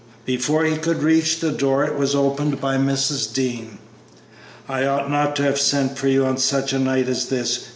Before he could reach the door it was opened by Mrs. Dean. "I ought not to have sent for you on such a night as this!"